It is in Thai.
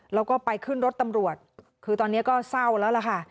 แล้วก็ไปขึ้นรถตำรวจคือตอนนี้ก็เศร้าแล้วล่ะค่ะ